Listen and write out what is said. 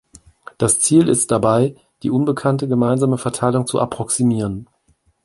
Das Ziel ist es dabei, die unbekannte gemeinsame Verteilung zu approximieren.